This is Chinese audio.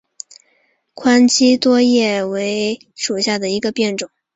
宽基多叶蓼为蓼科蓼属下的一个变种。